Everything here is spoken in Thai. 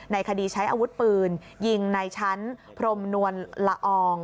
คดีใช้อาวุธปืนยิงในชั้นพรมนวลละออง